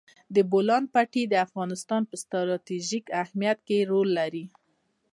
د بولان پټي د افغانستان په ستراتیژیک اهمیت کې رول لري.